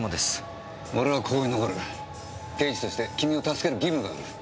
刑事として君を助ける義務がある。